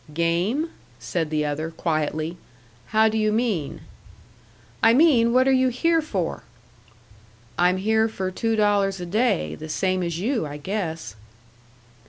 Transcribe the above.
"Game?" said the other, quietly. "How do you mean?" "I mean, what are you here for?" "I'm here for two dollars a day the same as you, I guess."